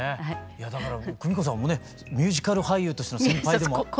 いやだからクミコさんもねミュージカル俳優としての先輩でもいらっしゃる。